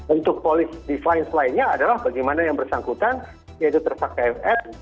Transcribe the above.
untuk polis defense lainnya adalah bagaimana yang bersangkutan yaitu tersangka fn